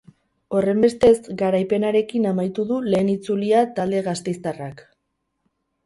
Horrenbestez, garaipenarekin amaitu du lehen itzulia talde gasteiztarrak.